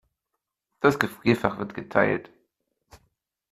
Das Gefrierfach wird geteilt.